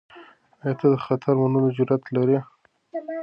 آیا ته د خطر منلو جرئت لرې؟